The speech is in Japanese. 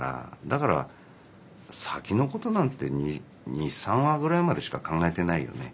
だから先のことなんて２３話ぐらいまでしか考えてないよね。